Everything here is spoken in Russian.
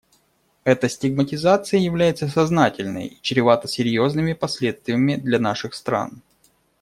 Эта стигматизация является сознательной и чревата серьезными последствиями для наших стран.